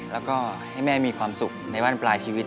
แล้วก็ให้แม่มีความสุขในบ้านปลายชีวิต